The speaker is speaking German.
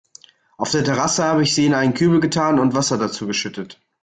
Auf der Terrasse hab ich sie in einen Kübel getan und Wasser dazu geschüttet.